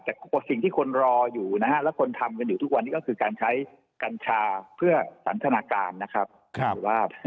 แต่สิ่งที่คนรออยู่นะฮะและคนทำกันอยู่ทุกวันนี้ก็คือการใช้กัญชาเพื่อสันทนาการนะครับ